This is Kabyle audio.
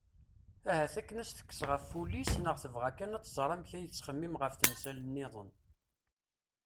Ahat akken ad as-tekkes ɣef wul-is neɣ tebɣa kan ad tẓer amek yettxemmim ɣef temsal-nniḍen.